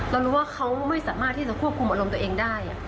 เรารู้ว่าเขาไม่สามารถที่จะควบคุมอารมณ์ตัวเองได้